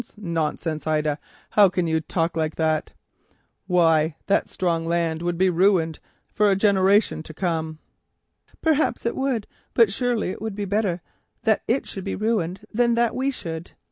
Nonsense, Ida, how can you talk like that? Why that strong land would be ruined for a generation to come." "Perhaps it would, but surely it would be better that the land should be ruined than that we should be.